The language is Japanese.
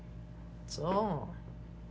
そう。